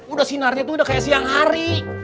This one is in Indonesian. udah sinarnya tuh udah kayak siang hari